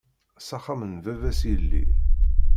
S axxam n baba-s yili.